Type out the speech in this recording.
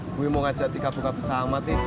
gue mau ngajak tika buka pesawat ya